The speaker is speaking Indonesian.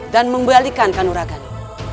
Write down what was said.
dan membalikkan kanuraganmu